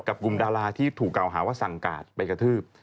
กลุ่มดาราที่ถูกกล่าวหาว่าสั่งการไปกระทืบ